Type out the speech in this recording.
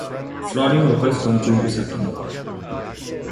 Flowering occurs from June to September.